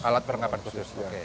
alat perlengkapan khusus oke